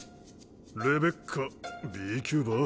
レベッカＢ・キューバー？